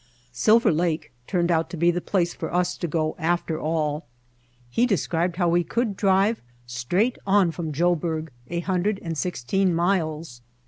Silver Lake turned out to be the place for us to go after all. He described how we could drive straight on from Joburg, a hundred and sixteen miles.